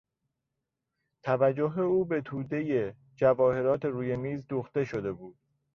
توجه او به تودهی جواهرات روی میز دوخته شده بود.